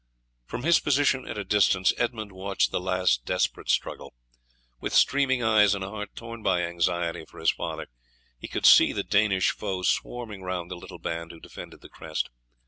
From his position at a distance Edmund watched the last desperate struggle. With streaming eyes and a heart torn by anxiety for his father he could see the Danish foe swarming round the little band who defended the crest.